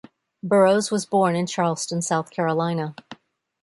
Burrows was born in Charleston, South Carolina.